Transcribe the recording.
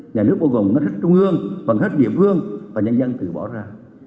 nhà nước bộ gồm hết trung ương phần hết địa phương và nhân dân tự bỏ ra